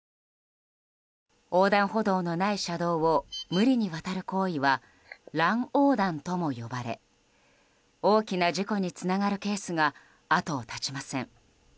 横断歩道のない車道を無理に渡る行為は乱横断とも呼ばれ大きな事故につながるケースが後を絶ちません。